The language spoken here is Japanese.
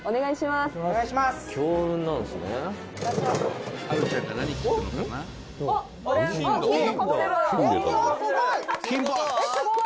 「すごい！」